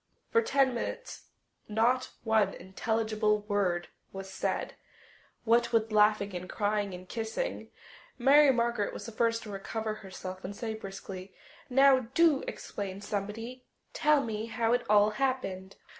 For ten minutes not one intelligible word was said, what with laughing and crying and kissing. Mary Margaret was the first to recover herself and say briskly, "Now, do explain, somebody. Tell me how it all happened."